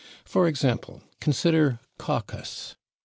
For example, consider /caucus